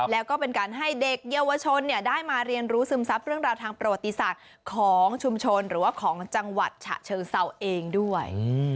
แล้วก็เป็นการให้เด็กเยาวชนได้มาเรียนรู้ซึมซับเรื่องราวทางประวัติศาสตร์ของชุมชนหรือว่าของจังหวัดฉะเชิงเศร้าเองด้วย